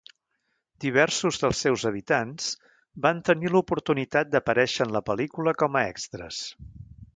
Diversos dels seus habitants van tenir l'oportunitat d'aparèixer en la pel·lícula com a extres.